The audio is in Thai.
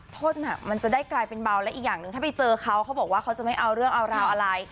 โทษหนักมันจะได้กลายเป็นเบาและอีกอย่างหนึ่งถ้าไปเจอเขาเขาบอกว่าเขาจะไม่เอาเรื่องเอาราวอะไร